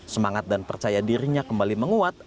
semangat dan percaya dirinya kembali menguat